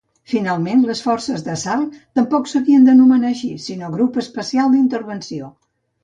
Finalment, les forces d'assalt tampoc s'havien d'anomenar així, sinó Grup Especial d'Intervenció.